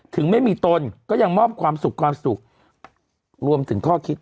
ถึงไม่มีตนก็ยังมอบความสุขความสุขรวมถึงข้อคิด